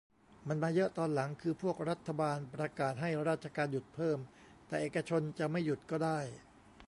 มันมาเยอะตอนหลังคือพวกรัฐบาลประกาศให้ราชการหยุดเพิ่ม แต่เอกชนจะไม่หยุดก็ได้